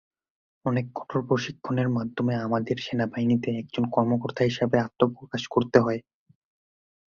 অনেক কঠোর প্রশিক্ষণের মাধ্যমে আমাদের সেনাবাহিনীতে একজন কর্মকর্তা হিসেবে আত্মপ্রকাশ করতে হয়।